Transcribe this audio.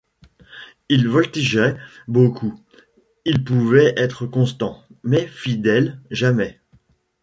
Il voltigeait beaucoup, il pouvait être constant, mais fidèle, jamais !